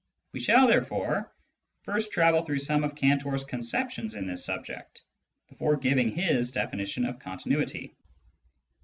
We shall, therefore, first travel through some of Cantor's conceptions in this subject before giving his definition of continuity.